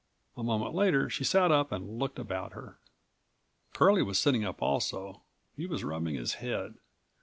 A moment later she sat up and looked about her. Curlie was sitting up also. He was rubbing his head.